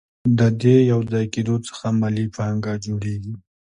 د دې یوځای کېدو څخه مالي پانګه جوړېږي